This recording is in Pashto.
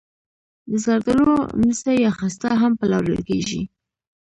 د زردالو نڅي یا خسته هم پلورل کیږي.